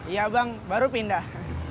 iya bang baru pindah